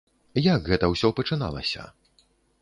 Як гэта ўсё пачыналася?